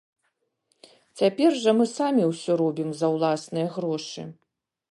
Цяпер жа мы самі ўсё робім за ўласныя грошы.